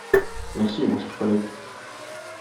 Merci, mon cher collègue.